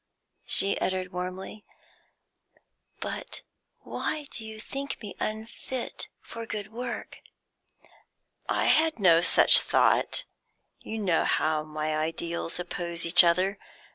she uttered warmly. "But why do you think me unfit for good work?" "I had no such thought. You know how my ideals oppose each other.